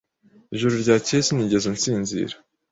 Ijoro ryakeye sinigeze nsinzira.